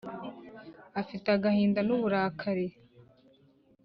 afite agahinda n’uburakari